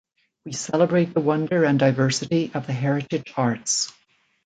We celebrate the wonder and diversity of the heritage arts.